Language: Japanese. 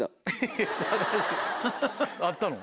あったの？